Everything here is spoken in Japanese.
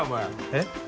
えっ？